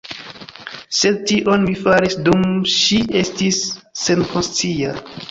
Sed tion mi faris, dum ŝi estis senkonscia.